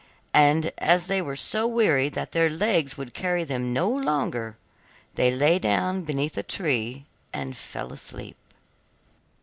And as they were so weary that their legs would carry them no longer, they lay down beneath a tree and fell asleep.